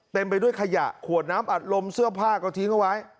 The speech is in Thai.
ไปด้วยขยะขวดน้ำอัดลมเสื้อผ้าก็ทิ้งเอาไว้